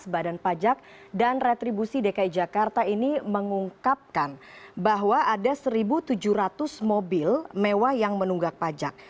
badan pajak dan retribusi dki jakarta ini mengungkapkan bahwa ada satu tujuh ratus mobil mewah yang menunggak pajak